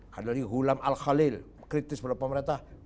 hadali hulam al khalil kritis berlapang merata